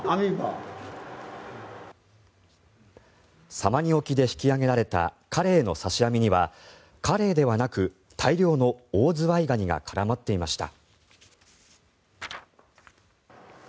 様似沖で引き揚げられたカレイの刺し網にはカレイではなく大量のオオズワイガニが絡まっていました。